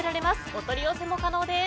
お取り寄せも可能です。